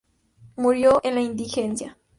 Murió en la indigencia.